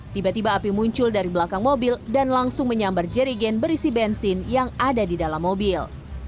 tiba tiba api muncul dari belakang mobil dan langsung menyambar jerigen berisi bensin yang ada di dalam mobil